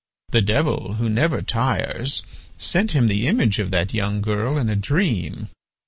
The Devil, who never tires, sent him the image of that young girl in a dream.